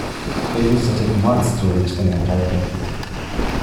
It used to take months to reach the Antarctic.